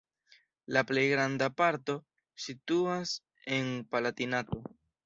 La plej granda parto situas en Palatinato.